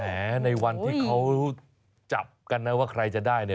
ในวันที่เขาจับกันนะว่าใครจะได้